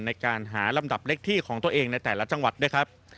ในการหาลำดับเล็กที่ของตัวเองในแต่ละจังหวัดด้วยครับ